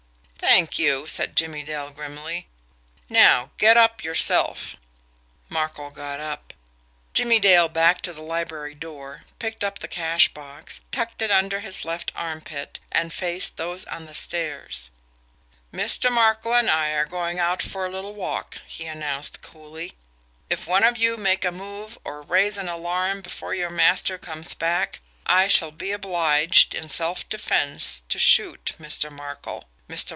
"Thank you!" said Jimmie Dale grimly. "Now, get up yourself!" Markel got up. Jimmie Dale backed to the library door, picked up the cash box, tucked it under his left armpit, and faced those on the stairs. "Mr. Markel and I are going out for a little walk," he announced coolly. "If one of you make a move or raise an alarm before your master comes back, I shall be obliged, in self defence, to shoot Mr. Markel. Mr.